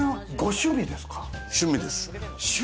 趣味です。